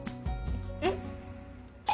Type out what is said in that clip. えっ！